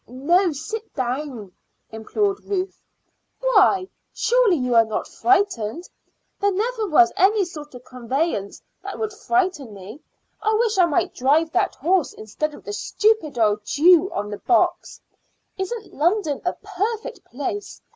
"No; sit down," implored Ruth. "Why? Surely you are not frightened. There never was any sort of conveyance that would frighten me. I wish I might drive that horse instead of the stupid old Jehu on the box. Isn't London a perfect place?